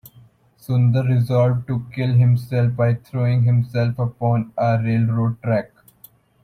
Sundar resolved to kill himself by throwing himself upon a railroad track.